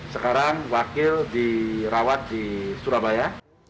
sekarang wakil dirawat di surabaya